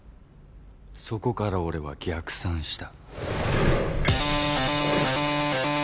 そこから俺は逆算した。